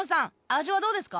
味はどうですか？